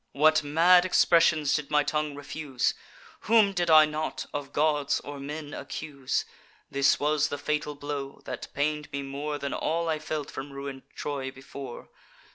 "What mad expressions did my tongue refuse! Whom did I not, of gods or men, accuse! This was the fatal blow, that pain'd me more Than all I felt from ruin'd Troy before.